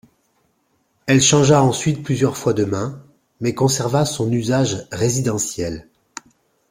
Elle changea ensuite plusieurs fois de main mais conserva son usage résidentiel.